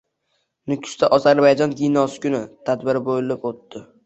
Nukusda “Ozarbayjon kinosi kuni” tadbiri bӯlib ӯtdi